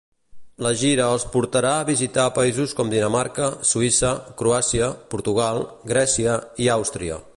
La gira els portarà a visitar països com Dinamarca, Suïssa, Croàcia, Portugal, Grècia i Àustria.